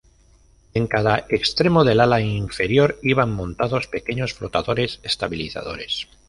En cada extremo del ala inferior iban montados pequeños flotadores estabilizadores.